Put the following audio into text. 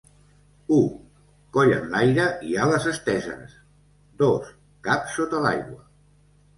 U, coll enlaire i ales esteses; dos, cap sota l'aigua.